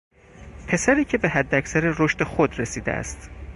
پسری که به حداکثر رشد خود رسیده است